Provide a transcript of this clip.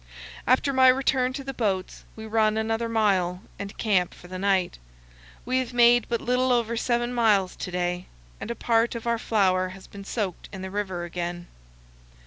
After my return to the boats we run another mile and camp for the night. We have made but little over seven miles to day, and a part of our flour has been soaked in the river again.